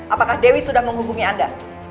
apakah dewi sudah menghubungi anda